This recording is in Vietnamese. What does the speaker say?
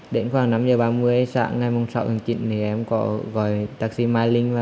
đến khoảng năm h ba mươi sáng ngày sáu tháng chín